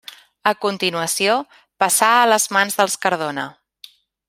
A continuació, passà a les mans dels Cardona.